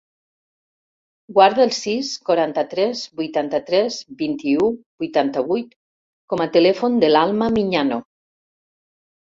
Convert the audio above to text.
Guarda el sis, quaranta-tres, vuitanta-tres, vint-i-u, vuitanta-vuit com a telèfon de l'Alma Miñano.